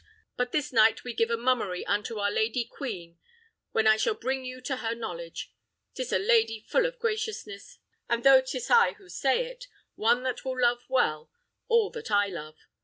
But this night we give a mummery unto our lady queen, when I will bring you to her knowledge: 'tis a lady full of graciousness, and though 'tis I who say it, one that will love well all that I love.